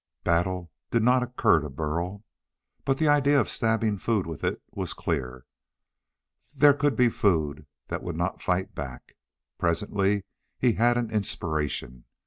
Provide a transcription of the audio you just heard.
Battle did not occur to Burl. But the idea of stabbing food with it was clear. There could be food that would not fight back. Presently he had an inspiration.